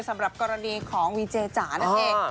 สำหรับกรณีของวีเจจ๋านั่นเอง